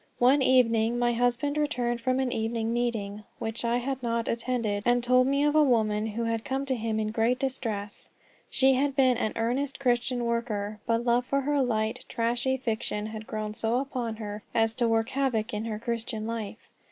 One evening my husband returned from an evening meeting, which I had not attended, and told me of a woman who had come to him in great distress. She had been an earnest Christian worker, but love for light, trashy fiction had so grown upon her as to work havoc in her Christian life.